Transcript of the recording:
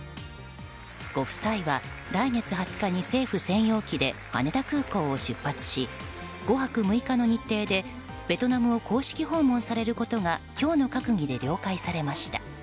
ご夫妻は来月２０日に政府専用機で羽田空港を出発し５泊６日の日程でベトナムを公式訪問されることが今日の閣議で了解されました。